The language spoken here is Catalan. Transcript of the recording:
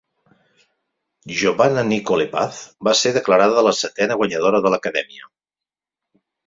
Giovanna Nicole Paz va ser declarada la setena guanyadora de "La Academia".